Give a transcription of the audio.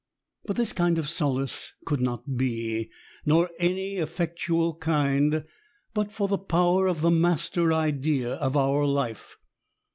But this kind of solace could not be, — ^nor any eflTectual kind, — ^but for the power of the master idea of our life.